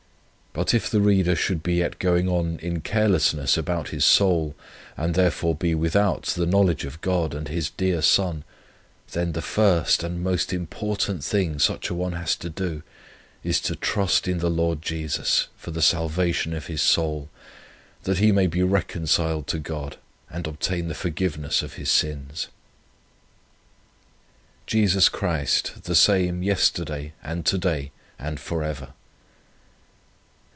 But if the reader should be yet going on in carelessness about his soul, and therefore be without the knowledge of God and His dear Son, then the first, and most important thing, such a one has to do, is to trust in the Lord Jesus for the salvation of his soul, that he may be reconciled to God, and obtain the forgiveness of his sins." JESUS CHRIST, THE SAME YESTERDAY, AND TO DAY, AND FOREVER.